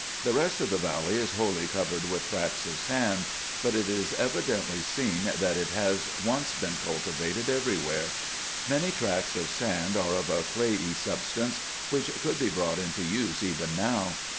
The rest of the valley is wholly covered with tracts of sand, but it is evidently seen that it has once been cultivated every where. Many tracts of land are of a clayey substance, which could be brought into use even now.